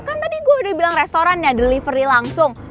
kan tadi gue udah bilang restorannya delivery langsung